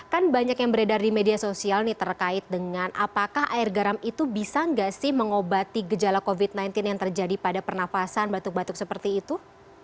kan banyak yang beredar di media sosial nih terkait dengan apakah air garam itu bisa nggak sih mengobati gejala covid sembilan belas yang terjadi pada pernafasan batuk batuk seperti itu